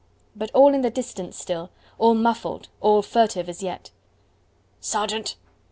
But all in the distance still, all muffled, all furtive as yet. "Sergeant!"